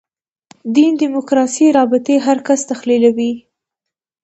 دین دیموکراسي رابطې هر کس تحلیلوي.